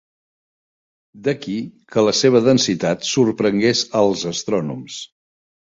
D'aquí que la seva densitat sorprengués als astrònoms.